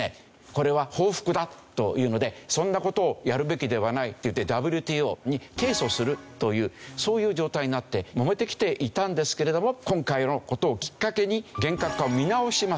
これは報復だというのでそんな事をやるべきではないっていってＷＴＯに提訴するというそういう状態になってもめてきていたんですけれども今回の事をきっかけに厳格化を見直しますと。